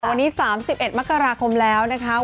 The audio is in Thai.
วันนี้๓๑มกราคมแล้วนะคะ